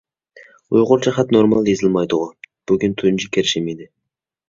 ئۇيغۇرچە خەت نورمال يېزىلمايدىغۇ؟ بۈگۈن تۇنجى كىرىشىم ئىدى.